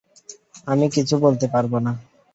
আমি কিছু বলতে পারবো না।